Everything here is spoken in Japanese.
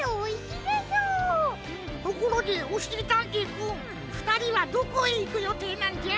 ところでおしりたんていくんふたりはどこへいくよていなんじゃ？